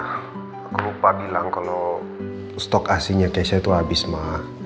aku lupa bilang kalau stok aslinya keisha itu habis ma